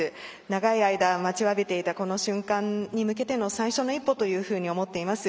長い間、待ちわびていたこの瞬間に向けての最初の一歩と思っています。